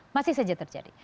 masih saja terjadi